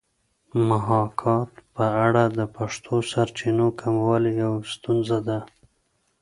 د محاکات په اړه د پښتو سرچینو کموالی یوه ستونزه ده